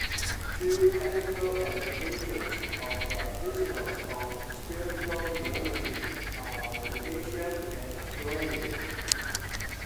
Two practical applications of the principles of spherical geometry are navigation and astronomy.